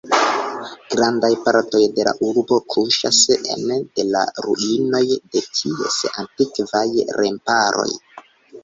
Grandaj partoj de la urbo kuŝas ene de la ruinoj de ties antikvaj remparoj.